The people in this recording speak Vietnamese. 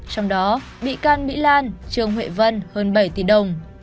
trong đó bị can mỹ lan trương huệ vân hơn bảy tỷ đồng